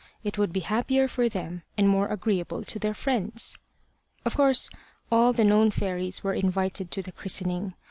It would be happier for them, and more agreeable to their friends. Of course all the known fairies were invited to the christening.